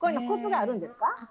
コツがあるんですか？